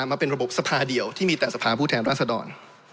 มาเป็นระบบสภาเดียวที่มีแต่สภาผู้แทนราษดร